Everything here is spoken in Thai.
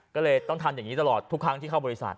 ก็เลยต้องทำอย่างนี้ตลอดทุกครั้งที่เข้าบริษัท